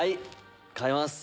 変えます！